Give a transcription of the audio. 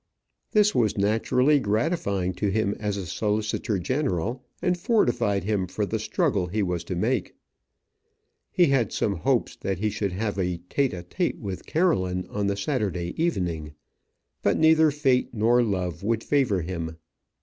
This was naturally gratifying to him as a solicitor general, and fortified him for the struggle he was to make. He had some hope that he should have a tête à tête with Caroline on the Saturday evening. But neither fate nor love would favour him.